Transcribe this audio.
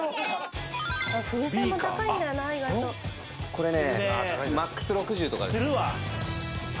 これね。